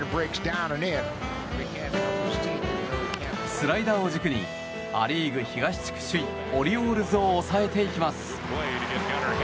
スライダーを軸にア・リーグ東地区首位オリオールズを抑えていきます。